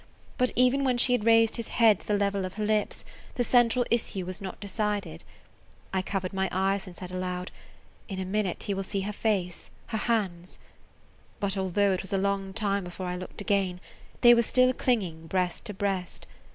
But even when she had raised his head to the level of her lips, the central issue was not decided. I covered my eyes and said aloud, "In a minute [Page 118] he will see her face, her hands." But although it was a long time before I looked again, they were still clinging breast to breast.